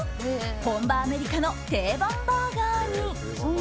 本場アメリカの定番バーガーに。